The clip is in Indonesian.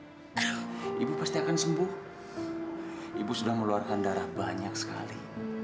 ibu pasti akan sembuh ibu sudah mengeluarkan darah banyak sekali